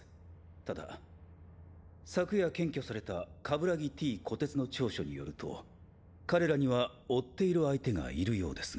ただ昨夜検挙された鏑木・Ｔ・虎徹の調書によると彼らには追っている相手がいるようですが。